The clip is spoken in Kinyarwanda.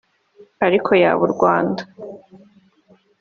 Ariko yaba u Rwanda